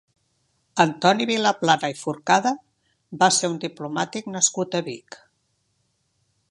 Antoni Vilaplana i Forcada va ser un diplomàtic nascut a Vic.